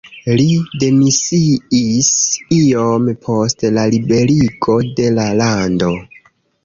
Li demisiis iom post la liberigo de la lando.